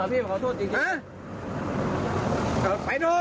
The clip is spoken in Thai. อ่าเดี๋ยวใจเย็น